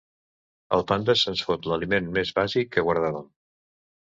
El panda se'ns fot l'aliment més bàsic que guardàvem.